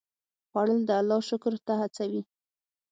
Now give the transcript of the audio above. خوړل د الله شکر ته هڅوي